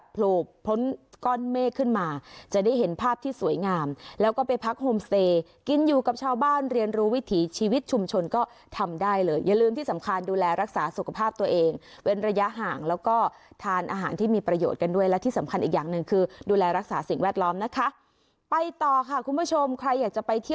โผล่พ้นก้อนเมฆขึ้นมาจะได้เห็นภาพที่สวยงามแล้วก็ไปพักโฮมสเตย์กินอยู่กับชาวบ้านเรียนรู้วิถีชีวิตชุมชนก็ทำได้เลยอย่าลืมที่สำคัญดูแลรักษาสุขภาพตัวเองเป็นระยะห่างแล้วก็ทานอาหารที่มีประโยชน์กันด้วยและที่สำคัญอีกอย่างหนึ่งคือดูแลรักษาสิ่งแวดล้อมนะคะไปต่อค่ะคุณผู้ชมใครอยากจะไปเที่ยว